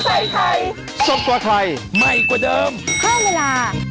สวัสดีค่ะ